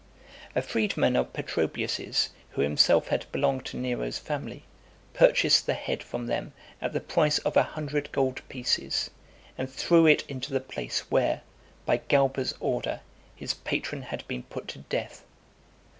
A freedman of Petrobius's, who himself had belonged to Nero's family, purchased the head from them at the price of a hundred gold pieces, and threw it into the place where, by Galba's order, his patron had been put to death.